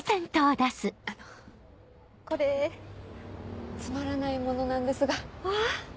あのこれつまらない物なんですが。わ！